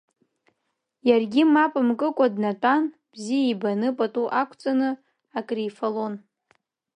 Иаргьы мап мкыкәа днатәаны, бзиа ибаны, пату ақәҵаны акрифалон.